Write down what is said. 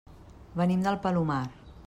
Venim del Palomar.